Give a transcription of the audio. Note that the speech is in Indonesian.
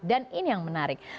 dan ini yang menarik